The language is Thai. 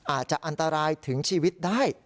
อาจจะอันตรายถึงชีวิตได้